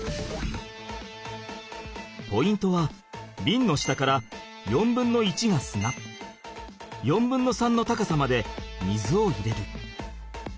ポイントはビンの下から４分の１が砂４分の３の高さまで水を入れる。